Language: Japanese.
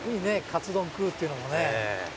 カツ丼食うっていうのもね。